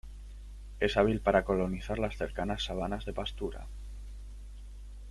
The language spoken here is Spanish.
Es hábil para colonizar las cercanas sabanas de pasturas.